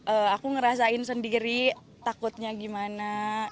jadi kayak aku ngerasain sendiri takutnya gimana